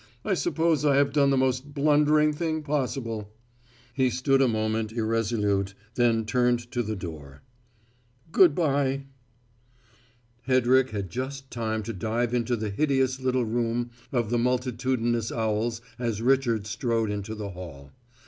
I suppose I have done the most blundering thing possible." He stood a moment, irresolute, then turned to the door. "Good bye." Hedrick had just time to dive into the hideous little room of the multitudinous owls as Richard strode into the hall.